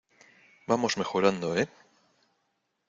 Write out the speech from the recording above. vamos mejorando, ¿ eh?